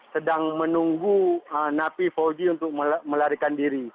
sedang menunggu napi fauji untuk melarikan diri